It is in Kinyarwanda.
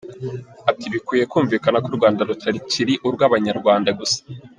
Ati “Bikwiye kumvikana ko u Rwanda rutakiri urw’abanyarwanda gusa.